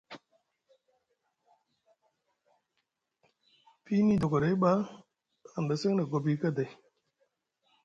Fiini dogoɗay ɓa hanɗa a seŋ na gobi kaday.